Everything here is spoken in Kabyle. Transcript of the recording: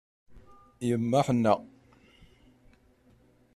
Yemma ḥenna.